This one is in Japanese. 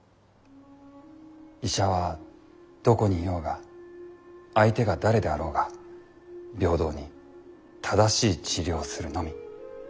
医者はどこにいようが相手が誰であろうが平等に正しい治療をするのみ。